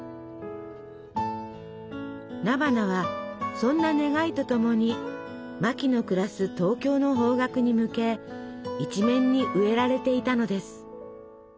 菜花はそんな願いとともにマキの暮らす東京の方角に向け一面に植えられていたのです。